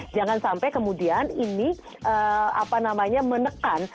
jangan sampai kemudian ini apa namanya menekan